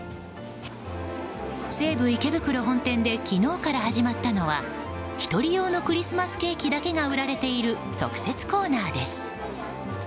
西武池袋本店で昨日から始まったのは１人用のクリスマスケーキだけが売られている特設コーナーです。